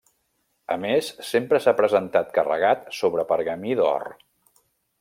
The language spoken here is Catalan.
A més sempre s'ha presentat carregat sobre pergamí d'or.